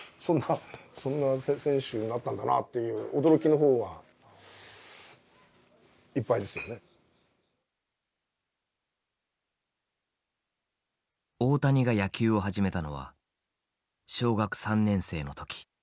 そんな選手になったんだなっていう大谷が野球を始めたのは小学３年生の時。